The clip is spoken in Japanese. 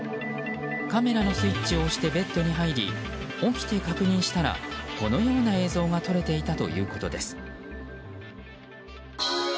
カメラのスイッチを押してベッドに入り起きて確認したらこのような映像が撮れていたということです。